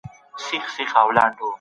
یا یې مه کوئ یا یې سم وکړئ.